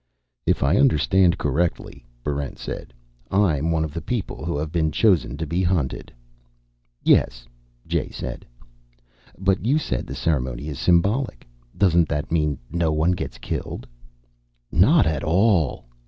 "If I understand correctly," Barrent said, "I'm one of the people who have been chosen to be hunted." "Yes," Jay said. "But you said the ceremony is symbolic. Doesn't that mean no one gets killed?" "Not at all!"